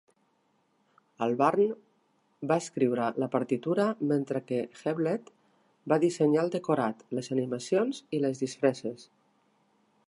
Albarn va escriure la partitura mentre que Hewlett va dissenyar el decorat, les animacions i les disfresses.